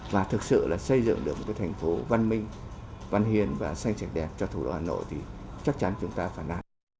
và thực sự là xây dựng được một cái thành phố văn minh văn hiến và xanh sạch đẹp cho thủ đô hà nội thì chắc chắn chúng ta phải làm